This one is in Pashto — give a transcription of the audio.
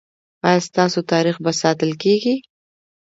ایا ستاسو تاریخ به ساتل کیږي؟